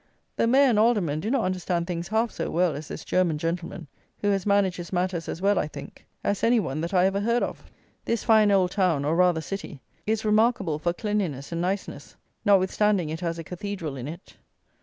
The Mayor and Aldermen do not understand things half so well as this German Gentleman, who has managed his matters as well, I think, as any one that I ever heard of. This fine old town, or, rather, city, is remarkable for cleanliness and niceness, notwithstanding it has a Cathedral in it.